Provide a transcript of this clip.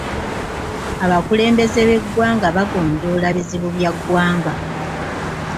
Abakulembeze b'eggwanga bagonjoola bizibu bya ggwanga.